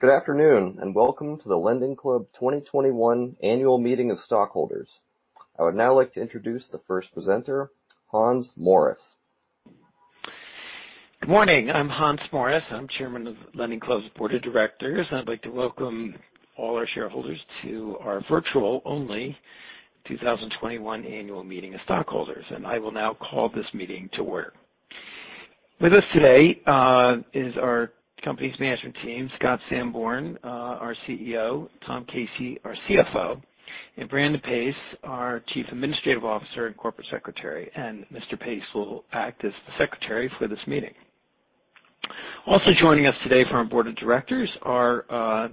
Good afternoon, and welcome to the LendingClub 2021 Annual Meeting of Stockholders. I would now like to introduce the first presenter, Hans Morris. Good morning. I'm Hans Morris. I'm Chairman of LendingClub's Board of Directors, and I'd like to welcome all our shareholders to our virtual-only 2021 Annual Meeting of Stockholders. I will now call this meeting to order. With us today is our company's management team, Scott Sanborn, our CEO, Tom Casey, our CFO, and Brandon Pace, our Chief Administrative Officer and Corporate Secretary. Mr. Pace will act as the Secretary for this meeting. Also joining us today from our Board of Directors are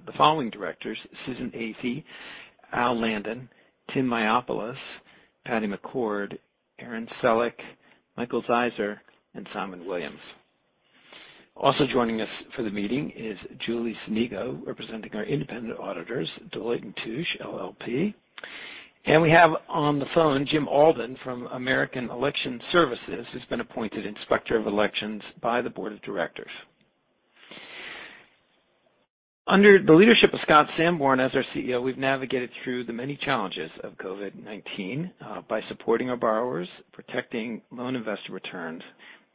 the following directors: Susan Athey, Al Landon, Tim Mayopoulos, Patty McCord, Erin Selleck, Michael Zeisser, and Simon Williams. Also joining us for the meeting is Julie Sonigo, representing our independent auditors, Deloitte & Touche LLP. We have on the phone Jim Alden from American Election Services, who's been appointed Inspector of Elections by the Board of Directors. Under the leadership of Scott Sanborn as our CEO, we've navigated through the many challenges of COVID-19 by supporting our borrowers, protecting loan investor returns,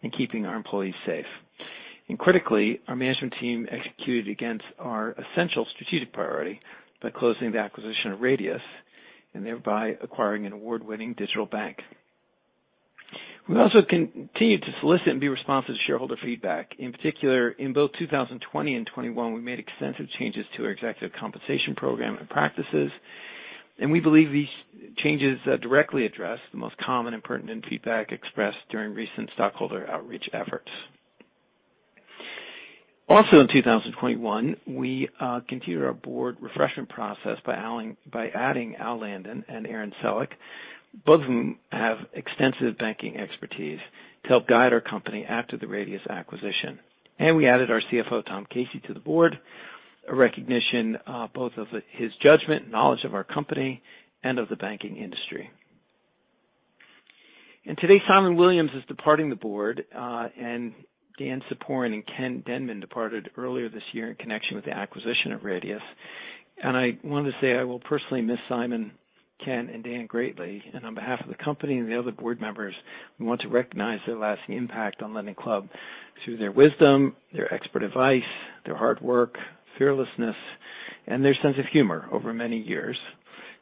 and keeping our employees safe. Critically, our management team executed against our essential strategic priority by closing the acquisition of Radius and thereby acquiring an award-winning digital bank. We also continue to solicit and be responsive to shareholder feedback. In particular, in both 2020 and 2021, we made extensive changes to our executive compensation program and practices. We believe these changes directly address the most common and pertinent feedback expressed during recent stockholder outreach efforts. Also, in 2021, we continued our board refreshment process by adding Al Landon and Erin Selleck, both of whom have extensive banking expertise, to help guide our company after the Radius acquisition. We added our CFO, Tom Casey, to the board, a recognition of both his judgment and knowledge of our company and of the banking industry. Today, Simon Williams is departing the board, and Dan Ciporin and Ken Denman departed earlier this year in connection with the acquisition of Radius. I wanted to say I will personally miss Simon, Ken, and Dan greatly. On behalf of the company and the other board members, we want to recognize their lasting impact on LendingClub through their wisdom, their expert advice, their hard work, fearlessness, and their sense of humor over many years.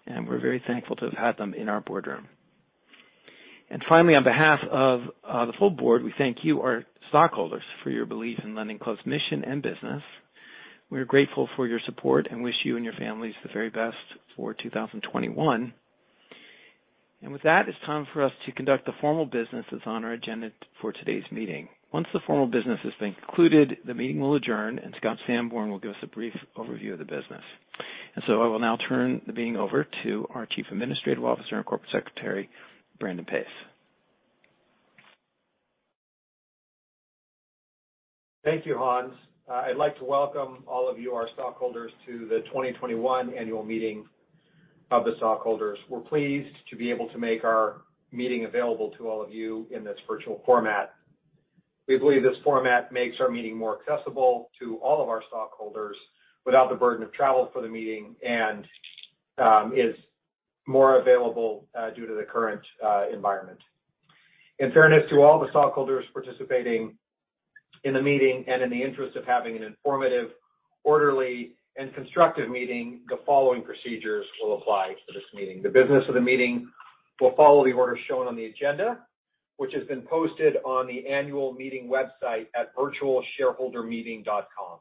We are very thankful to have had them in our boardroom. Finally, on behalf of the full board, we thank you, our stockholders, for your belief in LendingClub's mission and business. We're grateful for your support and wish you and your families the very best for 2021. With that, it's time for us to conduct the formal business that's on our agenda for today's meeting. Once the formal business has been concluded, the meeting will adjourn, and Scott Sanborn will give us a brief overview of the business. I will now turn the meeting over to our Chief Administrative Officer and Corporate Secretary, Brandon Pace. Thank you, Hans. I'd like to welcome all of you, our stockholders, to the 2021 Annual Meeting of the Stockholders. We're pleased to be able to make our meeting available to all of you in this virtual format. We believe this format makes our meeting more accessible to all of our stockholders without the burden of travel for the meeting and is more available due to the current environment. In fairness to all the stockholders participating in the meeting and in the interest of having an informative, orderly, and constructive meeting, the following procedures will apply to this meeting. The business of the meeting will follow the order shown on the agenda, which has been posted on the annual meeting website at virtualshareholdermeeting.com.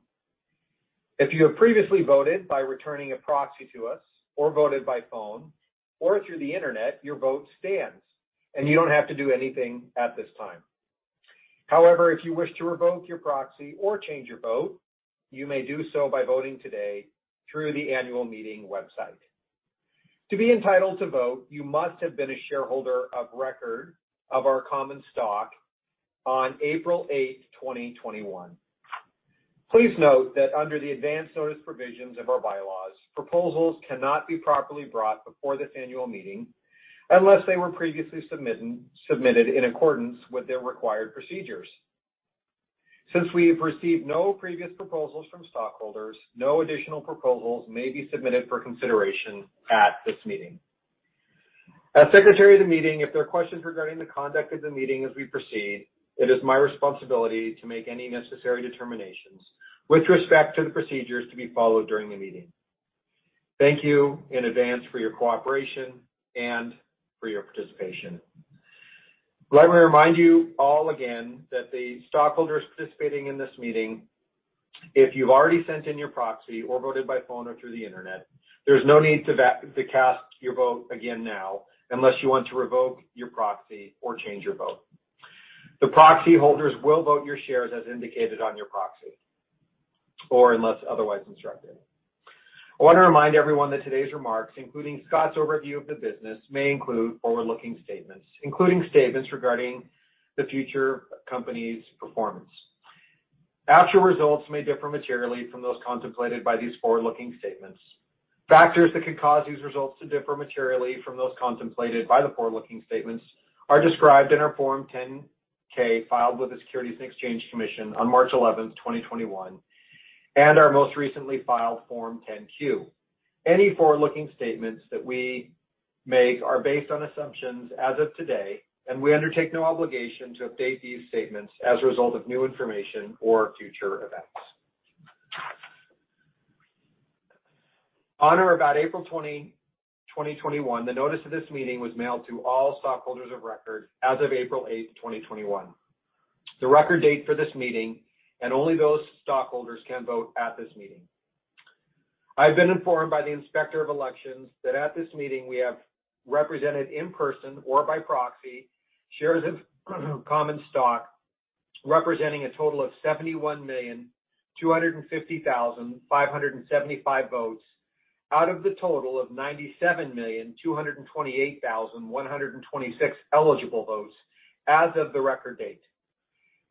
If you have previously voted by returning a proxy to us or voted by phone or through the internet, your vote stands, and you don't have to do anything at this time. However, if you wish to revoke your proxy or change your vote, you may do so by voting today through the annual meeting website. To be entitled to vote, you must have been a shareholder of record of our common stock on April 8, 2021. Please note that under the advance notice provisions of our bylaws, proposals cannot be properly brought before this annual meeting unless they were previously submitted in accordance with their required procedures. Since we have received no previous proposals from stockholders, no additional proposals may be submitted for consideration at this meeting. As Secretary of the Meeting, if there are questions regarding the conduct of the meeting as we proceed, it is my responsibility to make any necessary determinations with respect to the procedures to be followed during the meeting. Thank you in advance for your cooperation and for your participation. I'd like to remind you all again that the stockholders participating in this meeting, if you've already sent in your proxy or voted by phone or through the internet, there is no need to cast your vote again now unless you want to revoke your proxy or change your vote. The proxy holders will vote your shares as indicated on your proxy or unless otherwise instructed. I want to remind everyone that today's remarks, including Scott's overview of the business, may include forward-looking statements, including statements regarding the future company's performance. Actual results may differ materially from those contemplated by these forward-looking statements. Factors that could cause these results to differ materially from those contemplated by the forward-looking statements are described in our form 10-K filed with the Securities and Exchange Commission on March 11, 2021, and our most recently filed form 10-Q. Any forward-looking statements that we make are based on assumptions as of today, and we undertake no obligation to update these statements as a result of new information or future events. On or about April 20, 2021, the notice of this meeting was mailed to all stockholders of record as of April 8, 2021. The record date for this meeting, and only those stockholders can vote at this meeting. I've been informed by the Inspector of Elections that at this meeting we have represented in person or by proxy shares of common stock representing a total of 71,250,575 votes out of the total of 97,228,126 eligible votes as of the record date.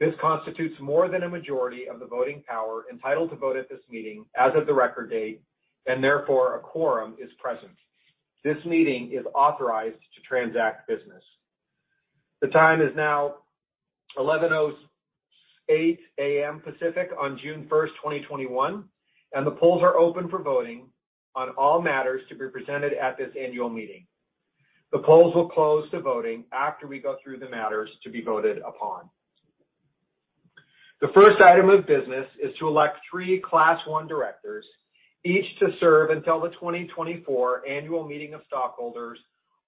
This constitutes more than a majority of the voting power entitled to vote at this meeting as of the record date, and therefore a quorum is present. This meeting is authorized to transact business. The time is now 11:08 A.M. Pacific on June 1, 2021, and the polls are open for voting on all matters to be presented at this annual meeting. The polls will close to voting after we go through the matters to be voted upon. The first item of business is to elect three Class I directors, each to serve until the 2024 Annual Meeting of Stockholders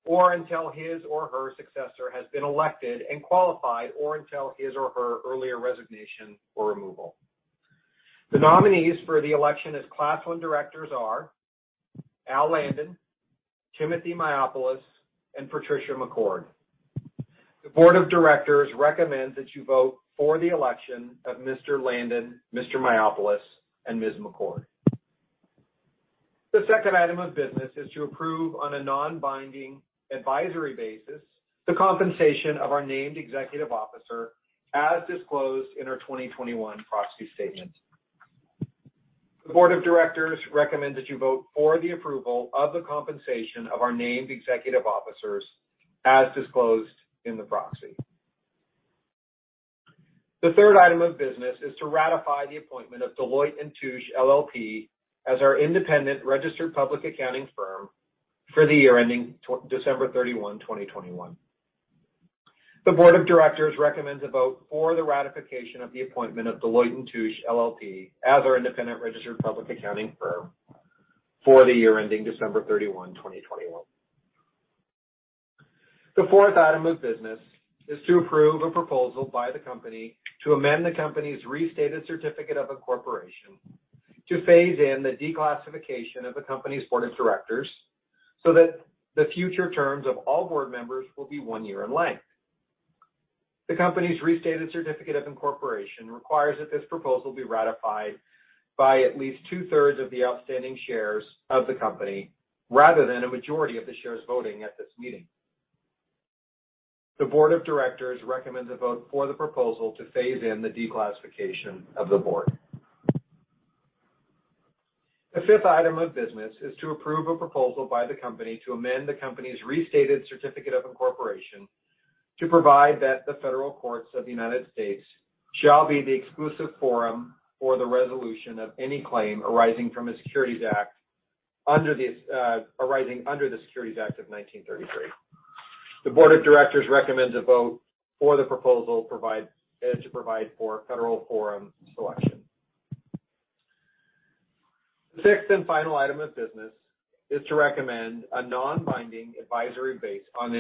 or until his or her successor has been elected and qualified or until his or her earlier resignation or removal. The nominees for the election as Class I directors are Al Landon, Timothy Mayopoulos, and Patricia McCord. The Board of Directors recommends that you vote for the election of Mr. Landon, Mr. Mayopoulos, and Ms. McCord. The second item of business is to approve on a non-binding advisory basis the compensation of our named executive officers as disclosed in our 2021 proxy statement. The Board of Directors recommends that you vote for the approval of the compensation of our named executive officers as disclosed in the proxy. The third item of business is to ratify the appointment of Deloitte & Touche LLP as our independent registered public accounting firm for the year ending December 31, 2021. The Board of Directors recommends a vote for the ratification of the appointment of Deloitte & Touche LLP as our independent registered public accounting firm for the year ending December 31, 2021. The fourth item of business is to approve a proposal by the company to amend the company's restated certificate of incorporation to phase in the declassification of the company's board of directors so that the future terms of all board members will be one year in length. The company's restated certificate of incorporation requires that this proposal be ratified by at least two-thirds of the outstanding shares of the company rather than a majority of the shares voting at this meeting. The Board of Directors recommends a vote for the proposal to phase in the declassification of the board. The fifth item of business is to approve a proposal by the company to amend the company's restated certificate of incorporation to provide that the federal courts of the United States shall be the exclusive forum for the resolution of any claim arising from a Securities Act under the Securities Act of 1933. The Board of Directors recommends a vote for the proposal to provide for federal forum selection. The sixth and final item of business is to recommend a non-binding advisory basis on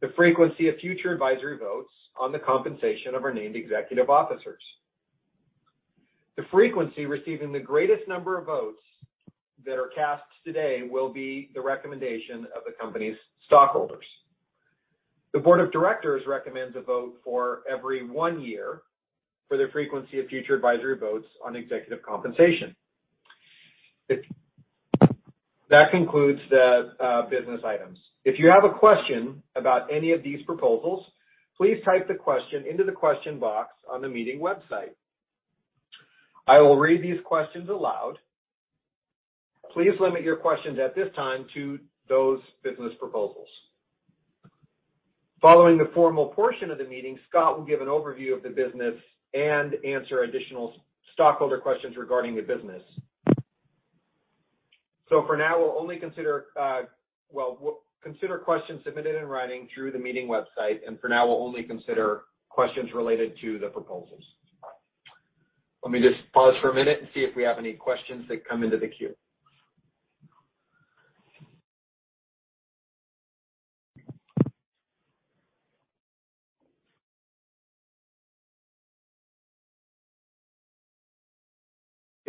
the frequency of future advisory votes on the compensation of our named executive officers. The frequency receiving the greatest number of votes that are cast today will be the recommendation of the company's stockholders. The Board of Directors recommends a vote for every one year for the frequency of future advisory votes on executive compensation. That concludes the business items. If you have a question about any of these proposals, please type the question into the question box on the meeting website. I will read these questions aloud. Please limit your questions at this time to those business proposals. Following the formal portion of the meeting, Scott will give an overview of the business and answer additional stockholder questions regarding the business. For now, we'll only consider questions submitted in writing through the meeting website, and for now, we'll only consider questions related to the proposals. Let me just pause for a minute and see if we have any questions that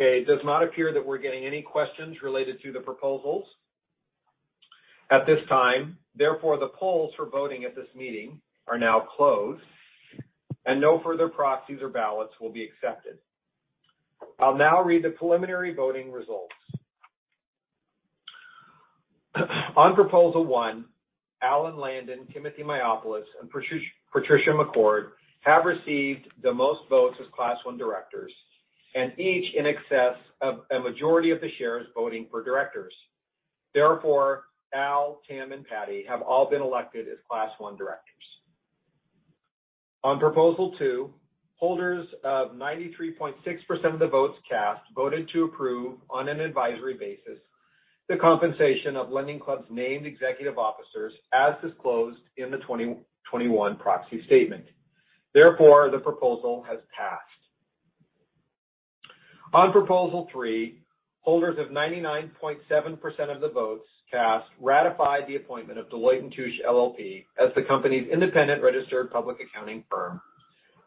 come into the queue. Okay. It does not appear that we're getting any questions related to the proposals at this time. Therefore, the polls for voting at this meeting are now closed, and no further proxies or ballots will be accepted. I'll now read the preliminary voting results. On proposal one, Al Landon, Timothy Mayopoulos, and Patricia McCord have received the most votes as Class I directors, and each in excess of a majority of the shares voting for directors. Therefore, Al, Tim, and Patty have all been elected as Class I directors. On proposal two, holders of 93.6% of the votes cast voted to approve on an advisory basis the compensation of LendingClub's named executive officers as disclosed in the 2021 proxy statement. Therefore, the proposal has passed. On proposal three, holders of 99.7% of the votes cast ratified the appointment of Deloitte & Touche LLP as the company's independent registered public accounting firm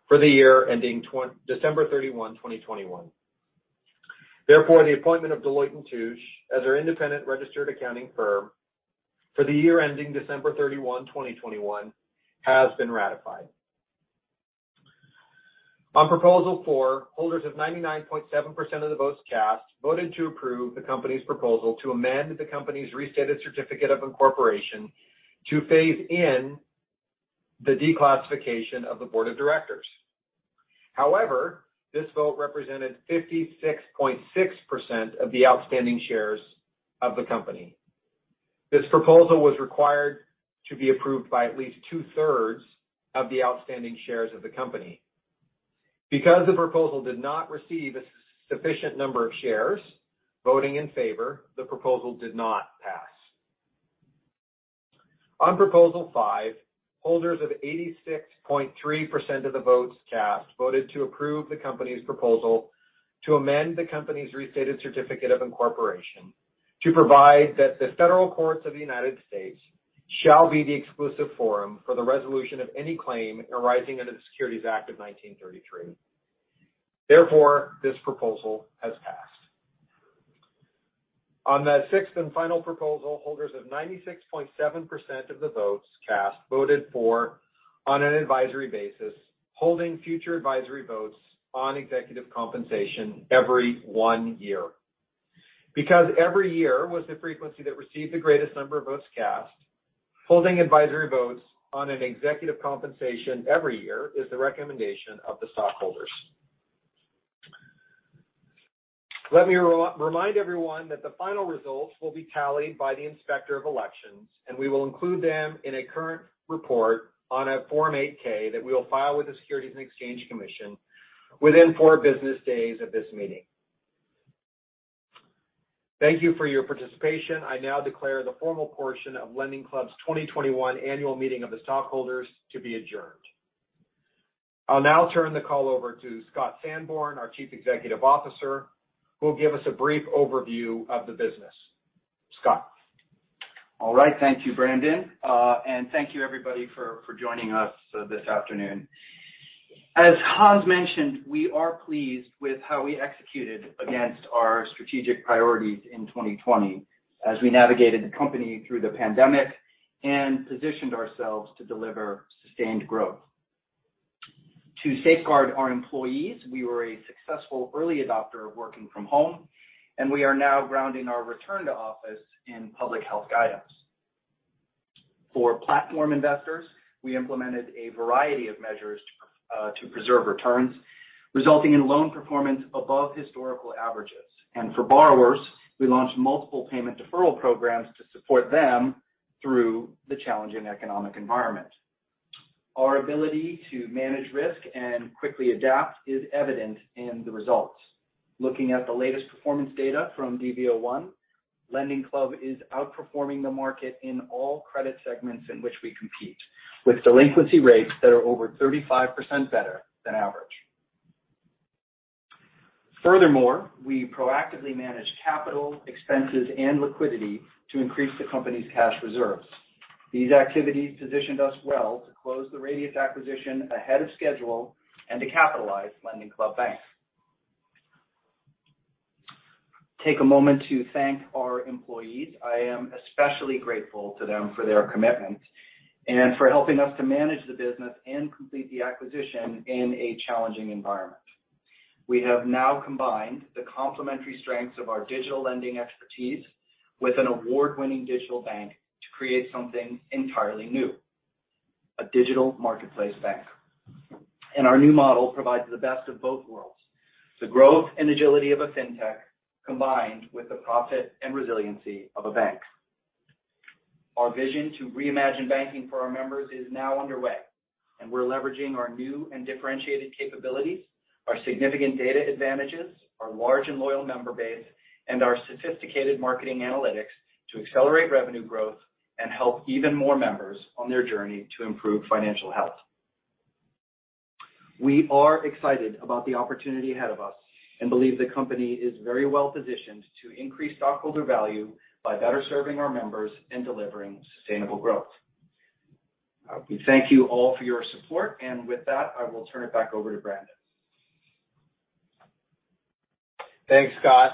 for the year ending December 31, 2021. Therefore, the appointment of Deloitte & Touche as our independent registered accounting firm for the year ending December 31, 2021, has been ratified. On proposal four, holders of 99.7% of the votes cast voted to approve the company's proposal to amend the company's restated certificate of incorporation to phase in the declassification of the board of directors. However, this vote represented 56.6% of the outstanding shares of the company. This proposal was required to be approved by at least two-thirds of the outstanding shares of the company. Because the proposal did not receive a sufficient number of shares voting in favor, the proposal did not pass. On proposal five, holders of 86.3% of the votes cast voted to approve the company's proposal to amend the company's restated certificate of incorporation to provide that the federal courts of the United States shall be the exclusive forum for the resolution of any claim arising under the Securities Act of 1933. Therefore, this proposal has passed. On the sixth and final proposal, holders of 96.7% of the votes cast voted for on an advisory basis holding future advisory votes on executive compensation every one year. Because every year was the frequency that received the greatest number of votes cast, holding advisory votes on executive compensation every year is the recommendation of the stockholders. Let me remind everyone that the final results will be tallied by the Inspector of Elections, and we will include them in a current report on a form 8-K that we will file with the Securities and Exchange Commission within four business days of this meeting. Thank you for your participation. I now declare the formal portion of LendingClub's 2021 Annual Meeting of the Stockholders to be adjourned. I'll now turn the call over to Scott Sanborn, our Chief Executive Officer, who will give us a brief overview of the business. Scott. All right. Thank you, Brandon, and thank you, everybody, for joining us this afternoon. As Hans mentioned, we are pleased with how we executed against our strategic priorities in 2020 as we navigated the company through the pandemic and positioned ourselves to deliver sustained growth. To safeguard our employees, we were a successful early adopter of working from home, and we are now grounding our return to office in public health guidance. For platform investors, we implemented a variety of measures to preserve returns, resulting in loan performance above historical averages. For borrowers, we launched multiple payment deferral programs to support them through the challenging economic environment. Our ability to manage risk and quickly adapt is evident in the results. Looking at the latest performance data from dv01, LendingClub is outperforming the market in all credit segments in which we compete, with delinquency rates that are over 35% better than average. Furthermore, we proactively managed capital, expenses, and liquidity to increase the company's cash reserves. These activities positioned us well to close the Radius acquisition ahead of schedule and to capitalize LendingClub Bank. Take a moment to thank our employees. I am especially grateful to them for their commitment and for helping us to manage the business and complete the acquisition in a challenging environment. We have now combined the complementary strengths of our digital lending expertise with an award-winning digital bank to create something entirely new: a digital marketplace bank. Our new model provides the best of both worlds: the growth and agility of a fintech combined with the profit and resiliency of a bank. Our vision to reimagine banking for our members is now underway, and we're leveraging our new and differentiated capabilities, our significant data advantages, our large and loyal member base, and our sophisticated marketing analytics to accelerate revenue growth and help even more members on their journey to improve financial health. We are excited about the opportunity ahead of us and believe the company is very well positioned to increase stockholder value by better serving our members and delivering sustainable growth. We thank you all for your support, and with that, I will turn it back over to Brandon. Thanks, Scott.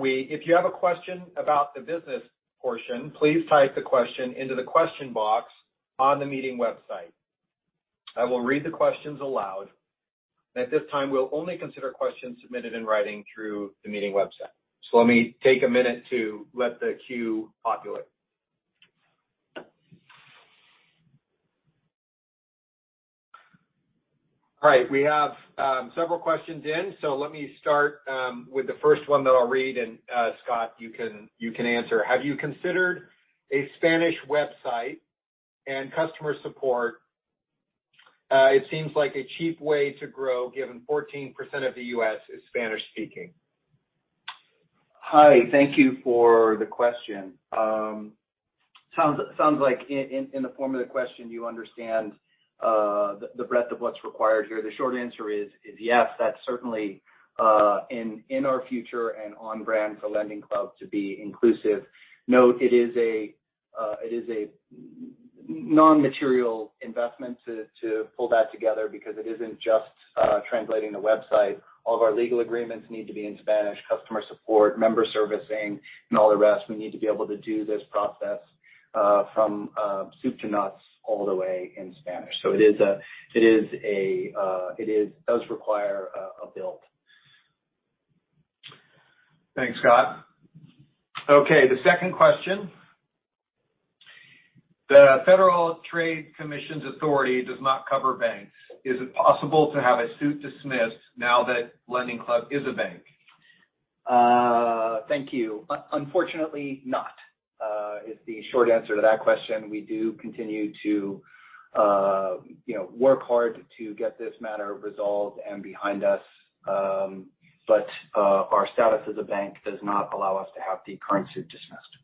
If you have a question about the business portion, please type the question into the question box on the meeting website. I will read the questions aloud. At this time, we will only consider questions submitted in writing through the meeting website. Let me take a minute to let the queue populate. All right. We have several questions in, so let me start with the first one that I will read, and Scott, you can answer. Have you considered a Spanish website and customer support? It seems like a cheap way to grow, given 14% of the U.S. is Spanish-speaking. Hi. Thank you for the question. Sounds like in the form of the question, you understand the breadth of what's required here. The short answer is yes. That's certainly in our future and on brand for LendingClub to be inclusive. Note, it is a non-material investment to pull that together because it isn't just translating the website. All of our legal agreements need to be in Spanish: customer support, member servicing, and all the rest. We need to be able to do this process from soup to nuts all the way in Spanish. It does require a build. Thanks, Scott. Okay. The second question. The Federal Trade Commission's authority does not cover banks. Is it possible to have a suit dismissed now that LendingClub is a bank? Thank you. Unfortunately, not is the short answer to that question. We do continue to work hard to get this matter resolved and behind us, but our status as a bank does not allow us to have the current suit dismissed.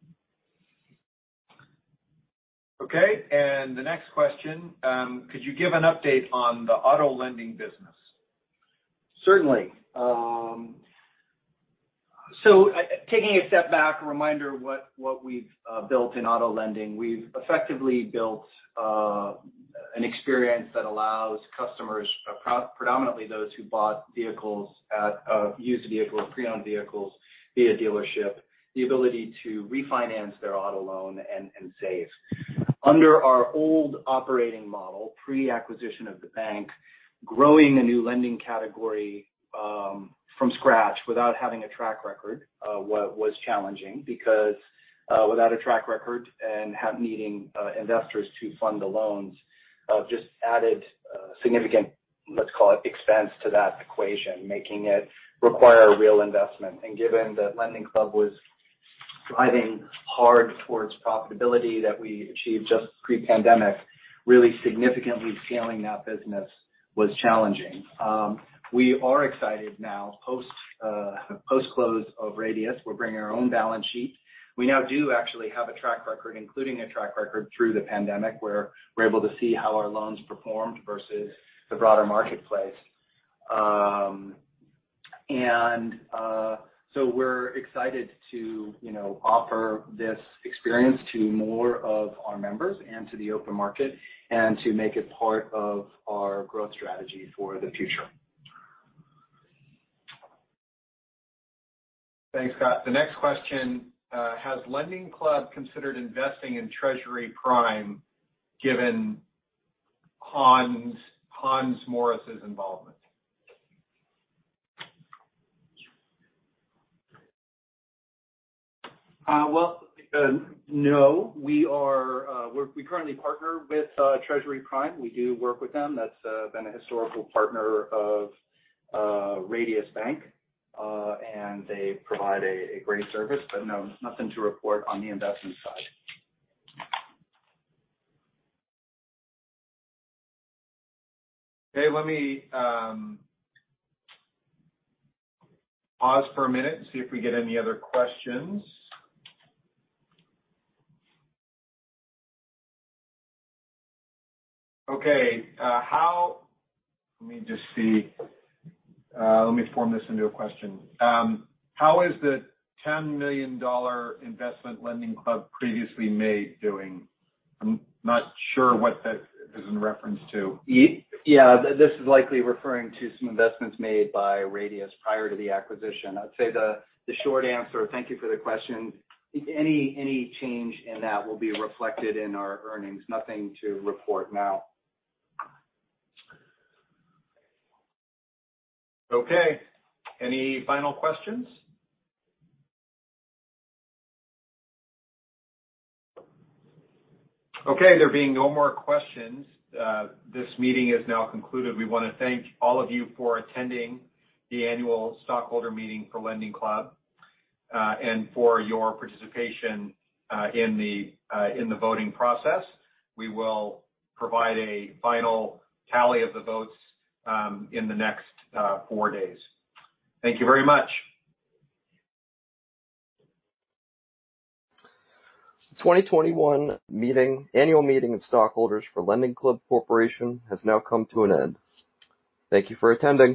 Okay. The next question. Could you give an update on the auto lending business? Certainly. Taking a step back, a reminder of what we've built in auto lending. We've effectively built an experience that allows customers, predominantly those who bought vehicles, used vehicles, pre-owned vehicles via dealership, the ability to refinance their auto loan and save. Under our old operating model, pre-acquisition of the bank, growing a new lending category from scratch without having a track record was challenging because without a track record and needing investors to fund the loans just added significant, let's call it, expense to that equation, making it require real investment. Given that LendingClub was striving hard towards profitability that we achieved just pre-pandemic, really significantly scaling that business was challenging. We are excited now post-close of Radius. We're bringing our own balance sheet. We now do actually have a track record, including a track record through the pandemic, where we're able to see how our loans performed versus the broader marketplace. We are excited to offer this experience to more of our members and to the open market and to make it part of our growth strategy for the future. Thanks, Scott. The next question. Has LendingClub considered investing in Treasury Prime given Hans Morris's involvement? No. We currently partner with Treasury Prime. We do work with them. That's been a historical partner of Radius Bank, and they provide a great service, but no, nothing to report on the investment side. Okay. Let me pause for a minute and see if we get any other questions. Okay. Let me just see. Let me form this into a question. How is the $10 million investment LendingClub previously made doing? I'm not sure what that is in reference to. Yeah. This is likely referring to some investments made by Radius prior to the acquisition. I'd say the short answer, thank you for the question, any change in that will be reflected in our earnings. Nothing to report now. Okay. Any final questions? Okay. There being no more questions, this meeting is now concluded. We want to thank all of you for attending the annual stockholder meeting for LendingClub and for your participation in the voting process. We will provide a final tally of the votes in the next four days. Thank you very much. The 2021 annual meeting of stockholders for LendingClub Corporation has now come to an end. Thank you for attending.